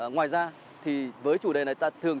ngoài ra thì với chủ đề này ta thường